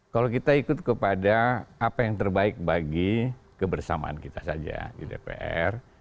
kalau kita ikut kepada apa yang terbaik bagi kebersamaan kita saja di dpr